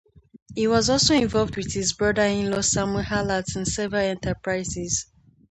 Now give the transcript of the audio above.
He was also involved with his brother-in-law Samuel Hallett, in several enterprises.